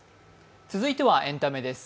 続いてはエンタメです。